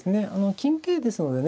金桂ですのでね